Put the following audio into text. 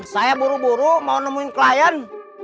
saya buru buru mau nemuin klien